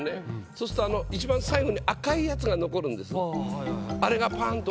そうするといちばん最後に赤いやつが残るんです。